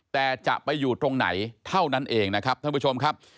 แต่จะไปอยู่ตรงไหนเท่านั้นเองนะครับท่านผู้ชมครับ